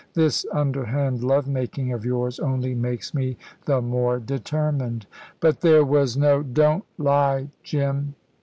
"This underhand love making of yours only makes me the more determined." "But there was no " "Don't lie, Jim.